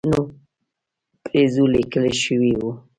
نو پرې ځو لیکل شوي وو.